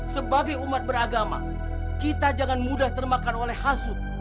sebagai umat beragama kita jangan mudah termakan oleh hasut